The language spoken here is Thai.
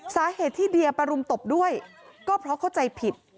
สาเหตุที่เดียไปรุมตบด้วยก็เพราะเข้าใจผิด